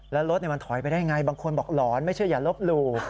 แล้วรถมันถอยไปได้ไงบางคนบอกหลอนไม่เชื่ออย่าลบหลู่